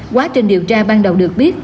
quá trình điều tra ban đầu được biết